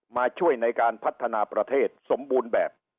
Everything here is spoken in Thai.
มาช่วยในการพัฒนาประเทศสมบูรณ์แบบ